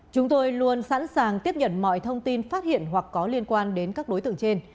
chúng tôi luôn sẵn sàng tiếp nhận mọi thông tin phát hiện hoặc có liên quan đến các đối tượng trên